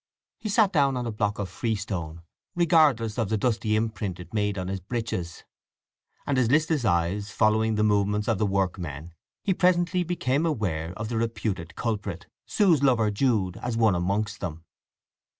He sat down on a block of freestone, regardless of the dusty imprint it made on his breeches; and his listless eyes following the movements of the workmen he presently became aware that the reputed culprit, Sue's lover Jude, was one amongst them.